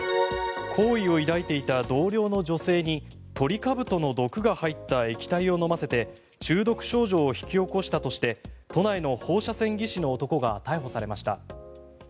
好意を抱いていた同僚の女性にトリカブトの毒が入った液体を飲ませて中毒症状を引き起こしたとして都内の放射線技師の男が逮捕されました。